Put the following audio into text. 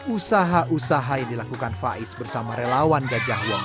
usaha usaha yang dilakukan faiz bersama relawan gajah wong